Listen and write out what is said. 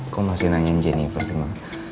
kok masih nanyain jennifer semua